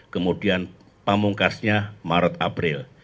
kemudian pamungkasnya maret april